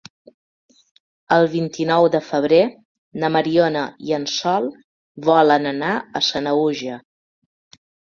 El vint-i-nou de febrer na Mariona i en Sol volen anar a Sanaüja.